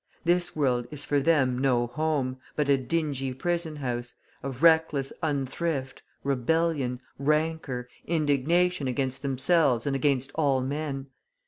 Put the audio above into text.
This world is for them no home, but a dingy prison house, of reckless unthrift, rebellion, rancour, indignation against themselves and against all men.